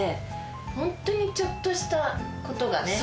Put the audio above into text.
ホントにちょっとしたことがね。